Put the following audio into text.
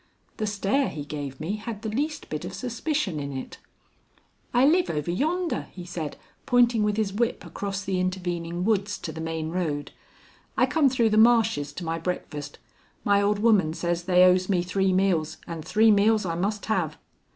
The stare he gave me had the least bit of suspicion in it. "I live over yonder," he said, pointing with his whip across the intervening woods to the main road. "I come through the marshes to my breakfast; my old woman says they owes me three meals, and three meals I must have."